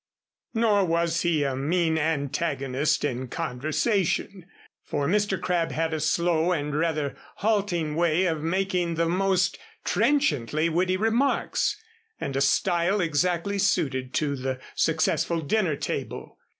Nor was he a mean antagonist in conversation. For Mr. Crabb had a slow and rather halting way of making the most trenchantly witty remarks, and a style exactly suited to the successful dinner table.